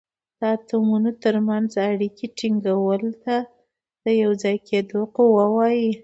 د اتومونو تر منځ اړیکې ټینګولو ته د یو ځای کیدو قوه وايي.